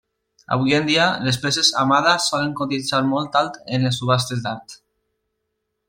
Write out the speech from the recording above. Avui en dia, les peces de Hamada solen cotitzar molt alt en les subhastes d'art.